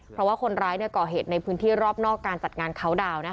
เพราะว่าคนร้ายก่อเหตุในพื้นที่รอบนอกการจัดงานเขาดาวน์